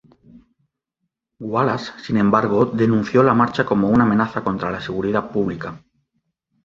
Wallace, sin embargo, denunció la marcha como una amenaza contra la seguridad pública.